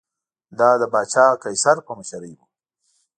دا د پاچا قیصر په مشرۍ و